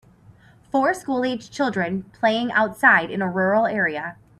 Four school aged children playing outside in a rural area.